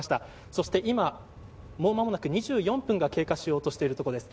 そして今、もうまもなく２４分が経過しようとしているところです。